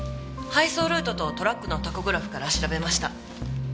配送ルートとトラックのタコグラフから調べました。